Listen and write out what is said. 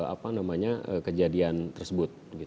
apa namanya kejadian tersebut